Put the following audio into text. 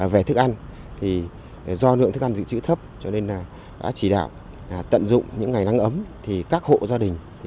về thức ăn do lượng thức ăn dự trị